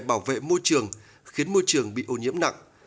bảo vệ môi trường khiến môi trường bị ô nhiễm nặng